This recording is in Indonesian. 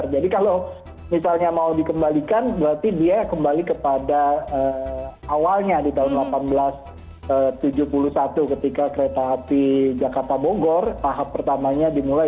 jadi kalau misalnya mau dikembalikan berarti dia kembali kepada awalnya di tahun seribu delapan ratus tujuh puluh satu ketika kereta api jakarta bogor tahap pertamanya dimulai